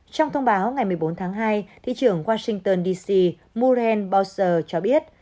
trong thông báo ngày một mươi bốn tháng hai thị trưởng washington dc moran bowser cho biết